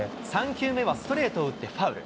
３球目はストレートを打って、ファウル。